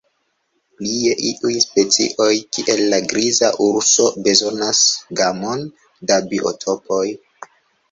Plie, iuj specioj, kiel la griza urso, bezonas gamon da biotopoj.